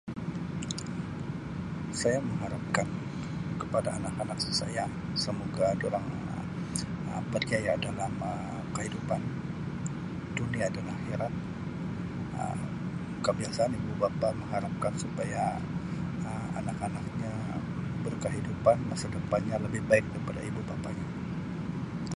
Saya mengharapkan kepada anak-anak saya semoga durang Um berjaya dalam Um kehidupan dunia dan akhirat Um kebiasaan ibu bapa mengharapkan supaya Um anak-anaknya berkehidupan masa depannya lebih baik daripada ibu bapanya.